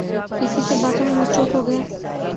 کسی سے باتوں میں مصروف ہوگیا